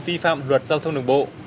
vi phạm luật giao thông đường bộ